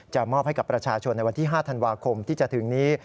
มอบให้กับประชาชนในวันที่๕ธันวาคมที่จะถึงนี้